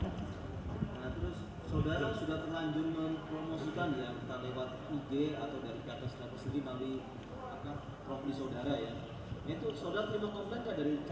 nah terus saudara sudah terlanjur mempromosikan ya